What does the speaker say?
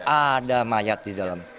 ada mayat di dalam